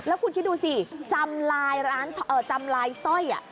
แล้วคุณคิดดูสิจำลายร้านจำลายสร้อย